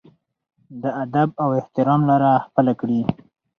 د ادب او احترام لار خپله کړي.